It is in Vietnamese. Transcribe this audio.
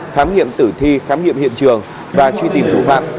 khám nghiệm tử thi khám nghiệm hiện trường và truy tìm thủ phạm